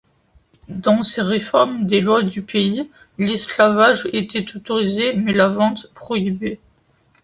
Dans ses réformes des lois du pays, l'esclavage était autorisé mais la vente prohibée.